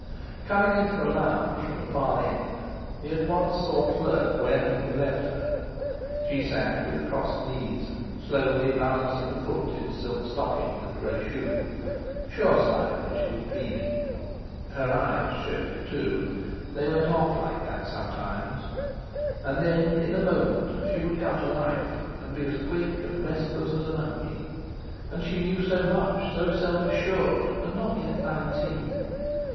Coming into the Lounge from the far end, he at once saw Fleur where he had left her. She sat with crossed knees, slowly balancing a foot in silk stocking and grey shoe, sure sign that she was dreaming. Her eyes showed it too—they went off like that sometimes. And then, in a moment, she would come to life, and be as quick and restless as a monkey. And she knew so much, so self assured, and not yet nineteen.